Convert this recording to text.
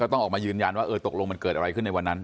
ต้องออกมายืนยันว่าเออตกลงมันเกิดอะไรขึ้นในวันนั้น